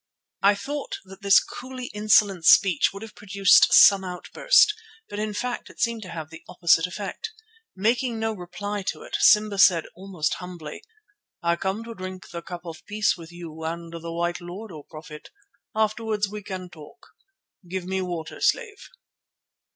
I thought that this coolly insolent speech would have produced some outburst, but in fact it seemed to have an opposite effect. Making no reply to it, Simba said almost humbly: "I come to drink the cup of peace with you and the white lord, O Prophet. Afterwards we can talk. Give me water, slave."